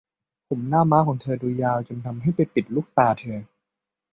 ผมหน้าม้าของเธอดูยาวจนทำให้ไปปิดลูกตาเธอ